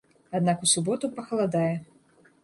Аднак у суботу пахаладае.